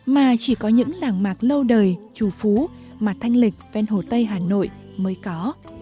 mà chỉ có những làng mạc lâu đời trù phú mà thanh lịch ven hồ tây hà nội mới có